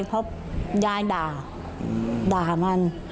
เพราะยายด่ามัน